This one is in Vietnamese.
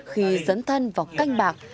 khi dấn thân vào canh bạc